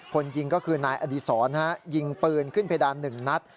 คนยิงก็คือนายอดีศรยิงปืนขึ้นเพดาน๑นัด